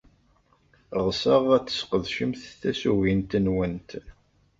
Ɣseɣ ad tesqedcemt tasugint-nwent.